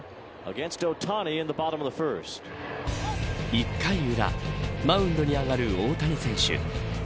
１回裏マウンドに上がる大谷選手。